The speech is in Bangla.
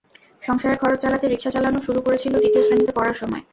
সংসারের খরচ চালাতে রিকশা চালানো শুরু করেছিল দ্বিতীয় শ্রেণিতে পড়ার সময়।